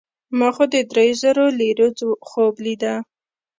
ما خو د دریو زرو لیرو خوب لیده.